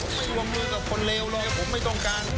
ไม่หวังมือกับคนเลวหรอกผมไม่ต้องการ